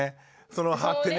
その歯ってね。